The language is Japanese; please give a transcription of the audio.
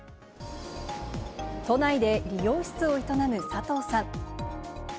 都内で理容室を営む佐藤さん。